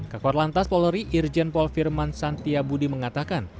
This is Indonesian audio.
kekuat lantas polri irjen pol firman santia budi mengatakan